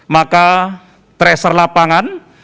maka tracer lapangan